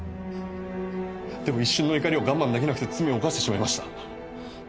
でも一瞬の怒りを我慢できなくて罪を犯してしまいました。